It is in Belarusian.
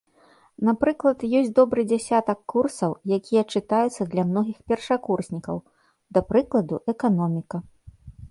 Напрыклад, ёсць добры дзясятак курсаў, якія чытаюцца для многіх першакурснікаў, да прыкладу, эканоміка.